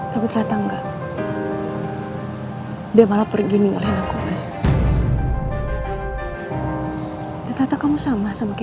tapi ternyata enggak